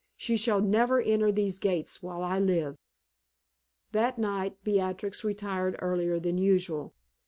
She shall never enter these gates while I live!" That night Beatrix retired earlier than usual.